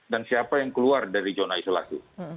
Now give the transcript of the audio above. dan siapa yang keluar dari jona isolasi